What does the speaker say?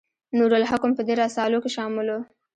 نور الحکم په دې رسالو کې شامل و.